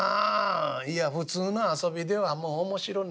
「いや普通の遊びではもう面白ない。